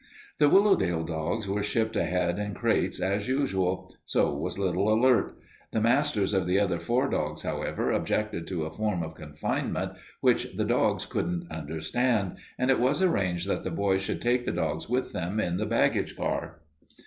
The Willowdale dogs were shipped ahead in crates, as usual. So was little Alert. The masters of the other four dogs, however, objected to a form of confinement which the dogs couldn't understand, and it was arranged that the boys should take the dogs with them in the baggage car.